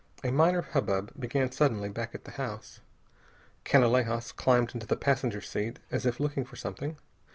A minor hubbub began suddenly back at the house. Canalejas climbed into the passenger's seat as if looking for something.